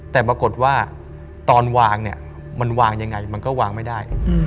แต่ปรากฏว่าตอนวางเนี่ยมันวางยังไงมันก็วางไม่ได้